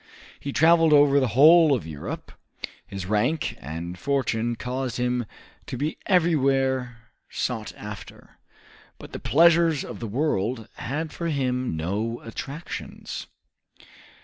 He traveled over the whole of Europe. His rank and fortune caused him to be everywhere sought after; but the pleasures of the world had for him no attractions.